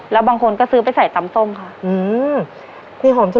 แล้วบางคนก็ซื้อไปใส่ตำส้มค่ะ